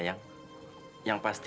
yang mengesah gitu